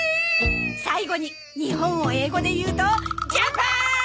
最後に日本を英語で言うと「ジャパン」！